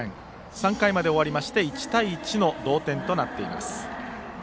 ３回まで終わりまして１対１の同点となっています。